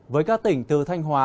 với các tỉnh từ thanh hoa